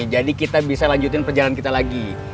jadi kita bisa lanjutin perjalanan kita lagi